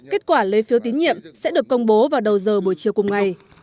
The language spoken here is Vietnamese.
kết quả lấy phiếu tín nhiệm sẽ được công bố vào đầu giờ buổi chiều cùng ngày